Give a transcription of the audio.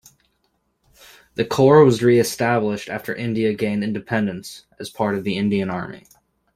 The Corps was reestablished after India gained independence, as part of the Indian Army.